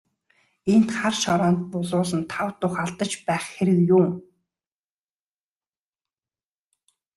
Энд хар шороонд булуулан тав тух алдаж байх хэрэг юун.